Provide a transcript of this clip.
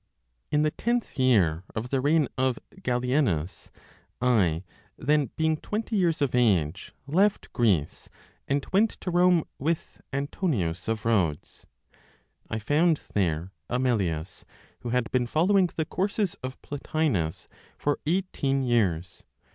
In the tenth year of the reign of Gallienus, I (then being twenty years of age), left Greece and went to Rome with Antonius of Rhodes. I found there Amelius, who had been following the courses of Plotinos for eighteen years.